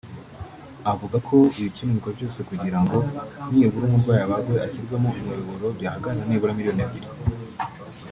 Avuga ko abaze ibikenerwa byose kugirango nibura umurwayi abagwe ashyirwemo umuyoboro byahagarara nibura miliyoni ebyiri